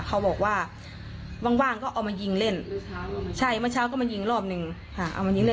เขาบอกว่าว่างก็เอามายิงเล่นใช่เมื่อเช้าก็มายิงรอบหนึ่งค่ะเอามายิงเล่น